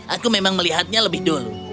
aku memang melihatnya lebih dulu